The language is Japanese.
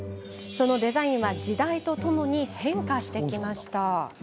そのデザインは時代とともに変化してきました。